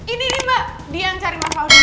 ini nih mbak dia yang cari masalah gue